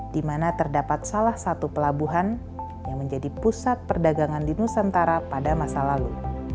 di mana terdapat salah satu pelabuhan yang menjadi pusat perdagangan di nusantara pada masa lalu